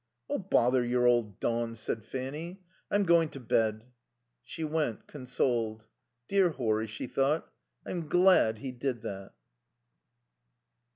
"Oh, bother your old dawn," said Fanny. "I'm going to bed." She went, consoled. "Dear Horry," she thought, "I'm glad he did that."